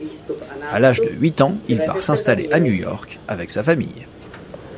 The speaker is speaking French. À l'âge de huit ans, il part s'installer à New York avec sa famille.